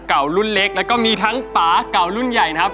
เก่ารุ่นเล็กแล้วก็มีทั้งป่าเก่ารุ่นใหญ่นะครับ